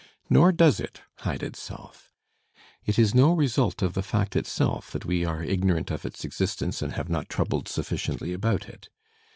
Nor does it hide itself. It is no result of the fact itself that we are ignorant of its existence and have not troubled sufficiently about it.